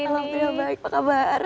alhamdulillah baik apa kabar